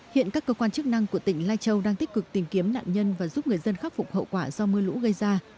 hiện các cơ quan chức năng của tỉnh lai châu đang tích cực tìm kiếm nạn nhân và giúp người dân khắc phục hậu quả do mưa lũ gây ra